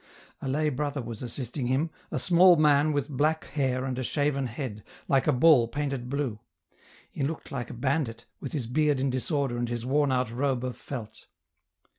A lay brother was assisting him, a small man with black hair and a shaven head, like a ball painted blue ; he looked like a bandit, with his beard in disorder and his worn out robe of felt.